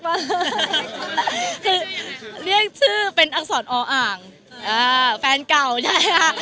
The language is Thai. คือเรียกชื่อเป็นอักษรออ่างแฟนเก่าใช่ค่ะ